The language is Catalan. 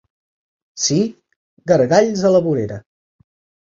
Sí, gargalls a la vorera.